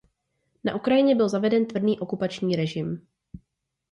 Na Ukrajině byl zaveden tvrdý okupační režim.